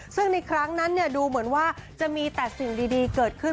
ซึ่งในครั้งนั้นดูเหมือนว่าจะมีแต่สิ่งดีเกิดขึ้น